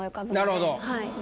なるほど。